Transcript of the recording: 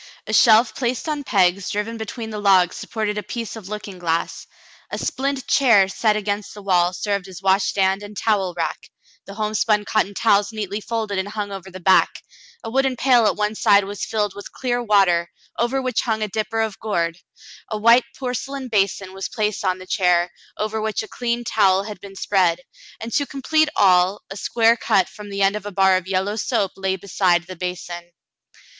A shelf placed on pegs driven between the logs supported Aunt Sally meets Frale 27 a piece of looking glass ; a splint chair set against the wall served as wash stand and towel rack — the homespun cotton towels neatly folded and hung over the back ; a wooden pail at one side was filled with clear water, over which hung a dipper of gourd; a white porcelain basin was placed on the chair, over which a clean towel had been spread, and to complete all, a square cut from the end of a bar of yellow soap lay beside the basin.